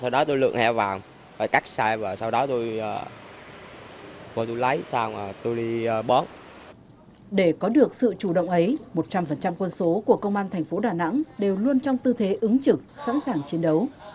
để có được sự chủ động ấy một trăm linh quân số của công an thành phố đà nẵng đều luôn trong tư thế ứng trực sẵn sàng chiến đấu